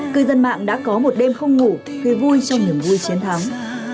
cư dân mạng đã có một đêm không ngủ khi vui trong những vui chiến thắng